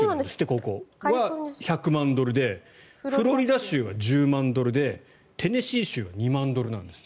ここは１００万ドルでフロリダ州は１０万ドルでテネシー州は２万ドルだそうです。